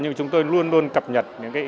nhưng chúng tôi luôn luôn cập nhật những yêu cầu